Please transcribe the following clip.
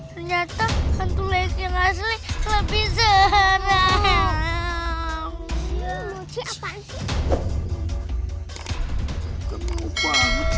ternyata hantu layak yang asli lebih serem